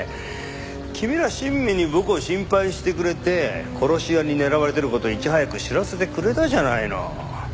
君ら親身に僕を心配してくれて殺し屋に狙われてる事いち早く知らせてくれたじゃないの。